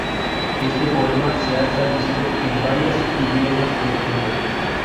Este poema se ha traducido en varias idiomas del mundo.